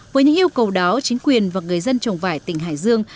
với những yêu cầu đó chính quyền và người dân trồng vải tỉnh hải dương